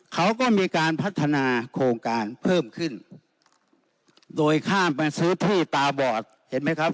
เขาก็มีการพัฒนาโครงการเพิ่มขึ้นโดยข้ามมาซื้อผู้ตาบอดเห็นไหมครับ